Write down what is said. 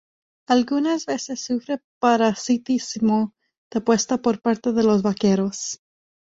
Algunas veces sufre parasitismo de puesta por parte de los vaqueros.